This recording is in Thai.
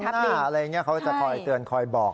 อยู่ข้างหน้าเขาก็จะคอยเตือนคอยบอก